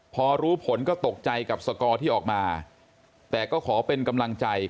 พอรู้ผลก็ตกใจกับสกอร์ที่ออกมาแต่ก็ขอเป็นกำลังใจ